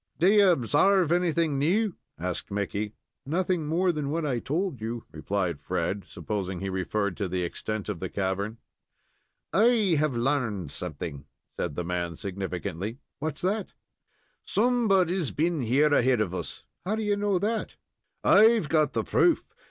"Do you obsarve anything new?" asked Mickey. "Nothing more than what I told you," replied Fred, supposing he referred to the extent of the cavern. "I have larned something," said the man, significantly. "What's that?" "Somebody's been here ahead of us." "How do you know that?" "I've got the proof.